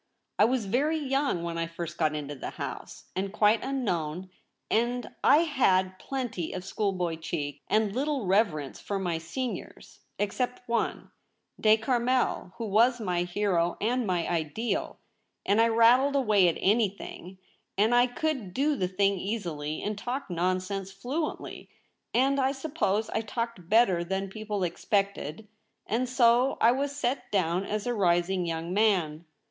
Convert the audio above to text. I was very young when I first got into the House — and quite unknown ; and I had plenty of school boy cheek, and little reverence for my seniors — except one — De Carmel — who \yas my hero and my ideal — and I rattled away at anything ; and I could do the thing easily and talk nonsense fluently, and I suppose I talked better than people expected, and so I was set down as a rising young man.